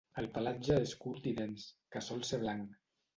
El pelatge és curt i dens, que sol ser blanc.